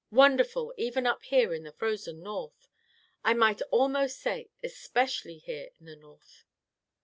Wonderful, even up here in the frozen north. I might almost say, especially here in the north.